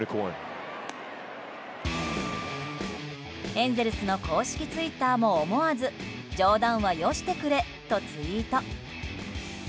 エンゼルスの公式ツイッターも思わず冗談はよしてくれとツイート。